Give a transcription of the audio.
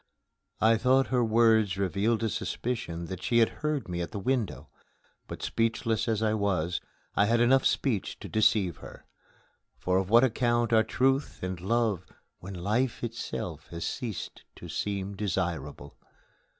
I thought her words revealed a suspicion that she had heard me at the window, but speechless as I was I had enough speech to deceive her. For of what account are Truth and Love when Life itself has ceased to seem desirable?